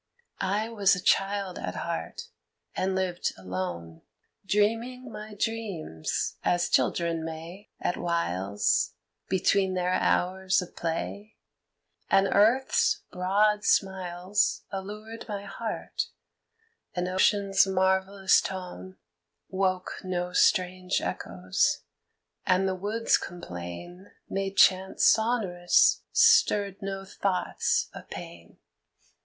I was a child at heart, and lived alone, Dreaming my dreams, as children may, at whiles, Between their hours of play, and Earth's broad smiles Allured my heart, and ocean's marvellous tone Woke no strange echoes, and the woods' complain Made chants sonorous, stirred no thoughts of pain.